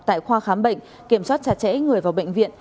tại khoa khám bệnh kiểm soát chặt chẽ người vào bệnh viện